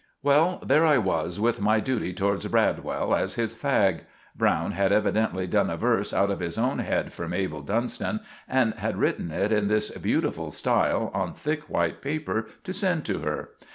Well, there I was with my duty towards Bradwell as his fag. Browne had evidently done a verse out of his own head for Mabel Dunston, and had written it in this butiful style, on thick white paper, to send to her.